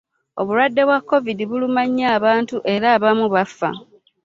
Obulwadde bwa covid buluma nnyo abantu era abamu bafa.